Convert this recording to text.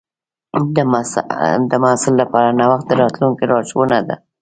د محصل لپاره نوښت د راتلونکي لارښوونه ده.